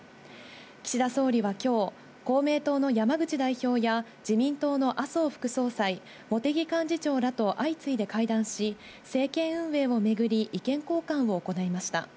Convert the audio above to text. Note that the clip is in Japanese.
岸田総理はきょう、公明党の山口代表や、自民党の麻生副総裁、茂木幹事長らと相次いで会談し、政権運営を巡り意見交換を行いました。